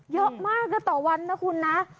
เยอะมากนะต่อวันนะคุณนะ